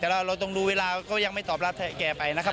แต่ว่าเราต้องดูเวลาก็ยังไม่ตอบรับแกไปนะครับ